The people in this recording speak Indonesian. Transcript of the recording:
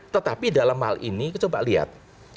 tetapi dalam hal ini coba lihat